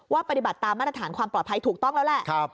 ปฏิบัติตามมาตรฐานความปลอดภัยถูกต้องแล้วแหละ